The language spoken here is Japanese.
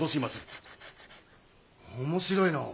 面白いの。